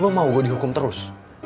lo mau gue dihukum terus